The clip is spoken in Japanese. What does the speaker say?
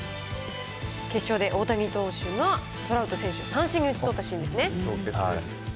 決勝で、大谷投手がトラウト選手を三振に打ち取ったシーンですね。